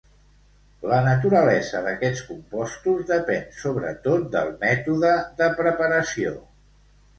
La naturalesa d'aquests compostos depèn sobretot del mètode de preparació.